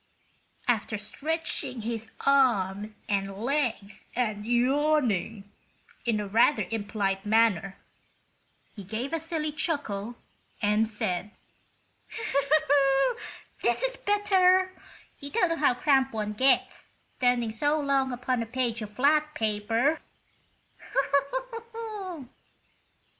After stretching his arms and legs and yawning in a rather impolite manner, he gave a silly chuckle and said: "This is better! You don't know how cramped one gets, standing so long upon a page of flat paper."